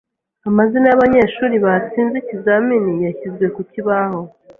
Amazina yabanyeshuri batsinze ikizamini yashyizwe ku kibaho